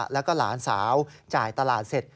แล้วก็หลานสาวจ่ายตลาดเสร็จ